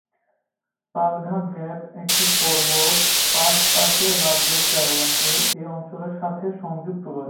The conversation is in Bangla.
পালঘাট গ্যাপ, একটি পর্বত পাস পাশের রাজ্য কেরালা কে এই অঞ্চলের সাথে সংযুক্ত করে।